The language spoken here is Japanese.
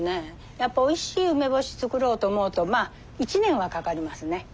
やっぱおいしい梅干し作ろうと思うとまあ１年はかかりますね。